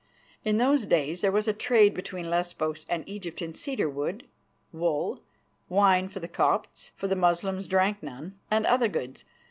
In those days there was a trade between Lesbos and Egypt in cedar wood, wool, wine for the Copts, for the Moslems drank none, and other goods.